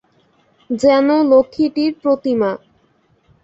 যেন লক্ষ্মীটির প্রতিমা!